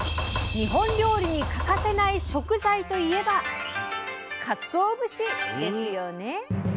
日本料理に欠かせない食材といえばかつお節！ですよね！